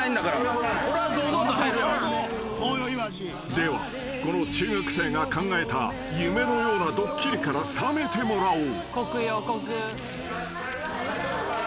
［ではこの中学生が考えた夢のようなドッキリから覚めてもらおう］